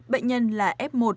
bệnh nhân là f một